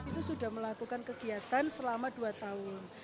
itu sudah melakukan kegiatan selama dua tahun